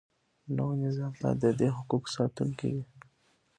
نوی نظام باید د دې حقوقو ساتونکی وي.